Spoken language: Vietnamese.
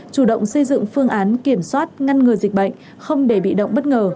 chủ động xây dựng phương án kiểm soát ngăn ngừa dịch bệnh không để bị động bất ngờ